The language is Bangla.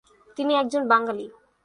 তিনি একজন বাঙালি।